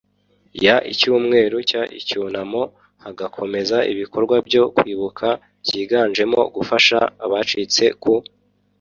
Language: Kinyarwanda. y icyumweru cy icyunamo hagakomeza ibikorwa byo kwibuka byiganjemo gufasha abacitse ku